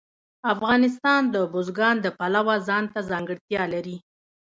افغانستان د بزګان د پلوه ځانته ځانګړتیا لري.